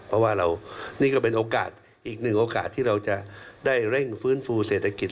เพราะว่าเรานี่ก็เป็นโอกาสอีกหนึ่งโอกาสที่เราจะได้เร่งฟื้นฟูเศรษฐกิจ